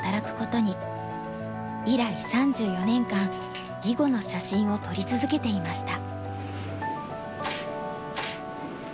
以来３４年間囲碁の写真を撮り続けていました。